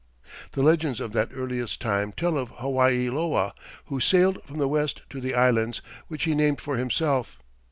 The legends of that earliest time tell of Hawaii loa, who sailed from the west to the Islands, which he named for himself.